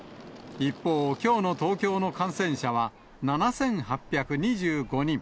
一方、きょうの東京の感染者は７８２５人。